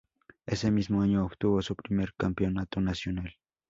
Ese mismo año obtuvo su primer campeonato nacional.